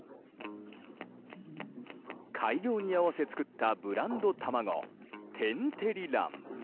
開業に合わせ作ったブランド卵、天てり卵。